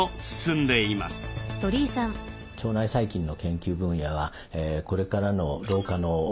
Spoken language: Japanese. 腸内細菌の研究分野はこれからの老化の防止